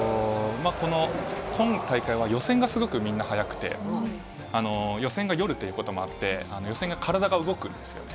今大会は予選がすごくみんな速くて、予選が夜ということもあって、予選が体が動くんですよね。